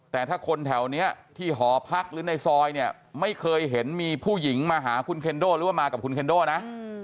แต่ถ้าคนแถวนี้ที่หอพักหรือในซอยเนี่ยไม่เคยเห็นมีผู้หญิงมาหาคุณเคนโด่หรือว่ามากับคุณเคนะ